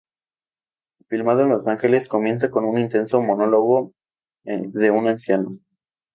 Filmado en Los Ángeles, comienza con un intenso monólogo de un anciano.